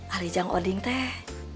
aduh jangan broding teh